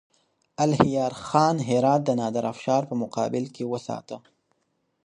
الهيار خان هرات د نادرافشار په مقابل کې وساته.